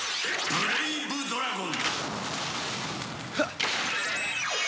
「ブレイブドラゴン！」